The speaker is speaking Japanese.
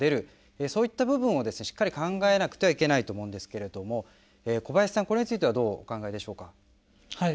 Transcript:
そういった部分をしっかり考えなくてはいけないと思うんですけれども小林さん、これについてはどうお考えでしょうか。